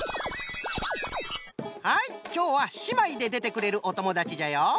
はいきょうはしまいででてくれるおともだちじゃよ。